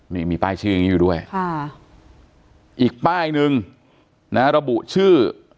มีป้ายชื่อยังงี้อยู่ด้วยอีกป้ายนึงระบุชื่อ